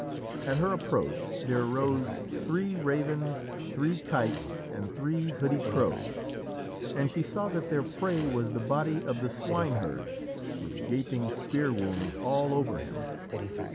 At her approach there rose three ravens, three kites, and three hoodie crows, and she saw that their prey was the body of the swineherd with gaping spear wounds all over him.